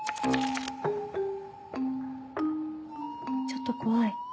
ちょっと怖い。